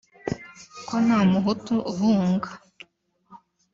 ko nta muhutu uhunga